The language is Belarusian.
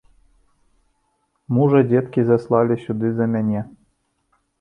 Мужа, дзеткі, заслалі сюды за мяне.